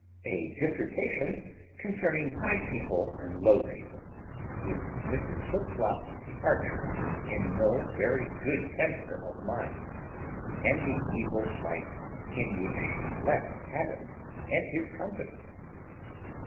_A dissertation concerning high people and low people, with Mrs Slipslop's departure in no very good temper of mind, and the evil plight in which she left Adams and his company.